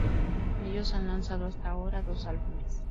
Ellos han lanzado hasta ahora dos álbumes.